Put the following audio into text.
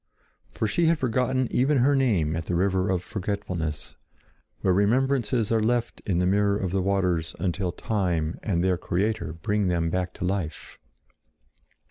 For she had forgotten even her name at the river of forgetfulness, where remembrances are left in the mirror of the waters until time and their creator bring them back to life.